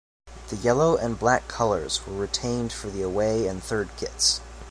The yellow and black colours were retained for the away and third kits.